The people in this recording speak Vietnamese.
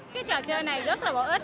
cái trò chơi này rất là bổ ích